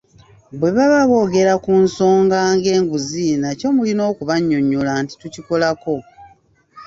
Bwe baba boogera ku nsonga ng'enguzi nakyo mulina okubannyonnyola nti tukikolako.